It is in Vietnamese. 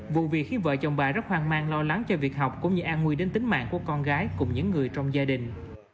vụ việc khiến vợ chồng bà rất hoang mang lo lắng cho việc học cũng như an nguy đến tính mạng của con gái cùng những người trong gia đình